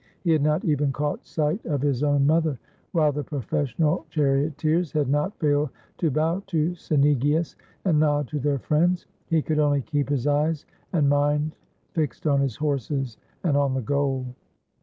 He had not even caught sight of his own mother, while the professional charioteers had not failed to bow to Cynegius and nod to their friends. He could only keep his eyes and mind fixed on his horses and on the goal.